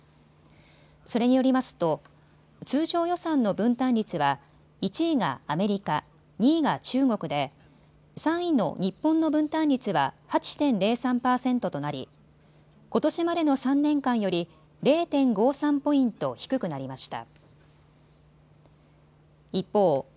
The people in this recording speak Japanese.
それによりますと通常予算の分担率は１位がアメリカ、２位が中国で３位の日本の分担率は８．０３％となりことしまでの３年間より０．５３ポイント低くなりました。